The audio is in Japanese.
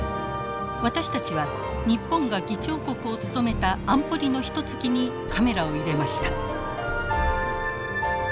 私たちは日本が議長国を務めた安保理のひとつきにカメラを入れました。